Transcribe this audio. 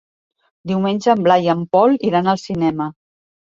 Diumenge en Blai i en Pol iran al cinema.